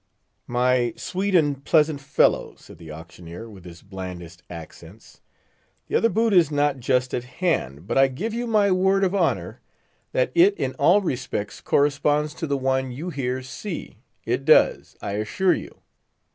"My sweet and pleasant fellow," said the auctioneer, with his blandest accents, "the other boot is not just at hand, but I give you my word of honour that it in all respects corresponds to the one you here see—it does, I assure you.